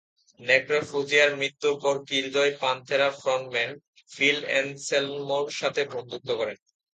নেক্রোফোজিয়ার মৃত্যুর পর কিলজয় প্যান্তেরা frontman feel আনসেলমোর সাথে বন্ধুত্ব করেন।